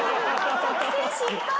作戦失敗！